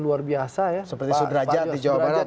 luar biasa ya seperti sudrajat di jawa barat